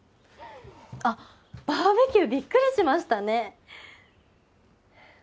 あっバーベキュービックリしましたね。